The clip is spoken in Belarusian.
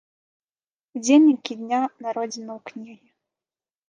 Удзельнікі дня народзінаў кнігі.